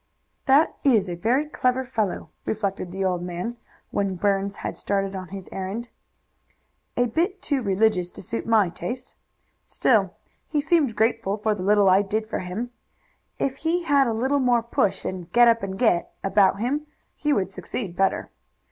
"That is a very clever fellow," reflected the old man, when Burns had started on his errand. "A bit too religious to suit my taste. Still he seemed grateful for the little I did for him. If he had a little more push and get up and get about him he would succeed better.